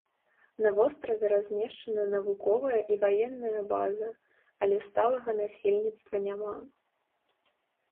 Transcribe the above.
На востраве размешчана навуковая і ваенная база, але сталага насельніцтва няма.